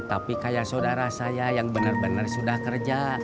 tapi kaya saudara saya yang bener bener sudah kerja